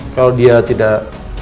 kalau dia tidak